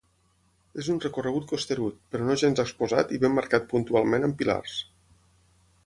És un recorregut costerut, però no gens exposat i ben marcat puntualment amb pilars.